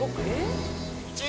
１。